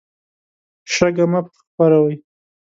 شګه مه خپروئ.